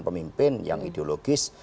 pemimpin yang ideologis